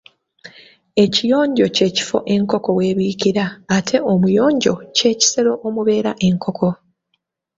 Ekiyonjo kye kifo enkoko w’ebiikira ate omuyonjo kye kisero omubeera enkoko.